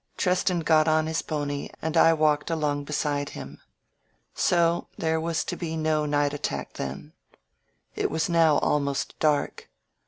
Treston got on his pony and I walked along beside him. So there was to be no night attack then. It was now almost dark.